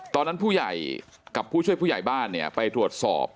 ตอนนั้นผู้ใหญ่กับผู้ช่วยผู้ใหญ่บ้านเนี่ยไปตรวจสอบ